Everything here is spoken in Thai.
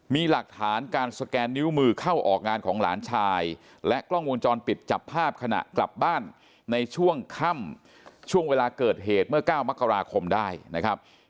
มีหลักฐานการสแกนนิ้วมือเข้าออกงานของหลานชายและกล้องวงจรปิดจับภาพขณะกลับบ้านในช่วงค่ำช่วงเวลาเกิดเหตุเมื่อ๙มกราคมได้นะครับ